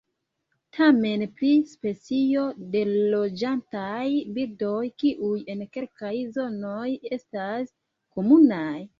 Temas pri specio de loĝantaj birdoj, kiuj en kelkaj zonoj estas komunaj.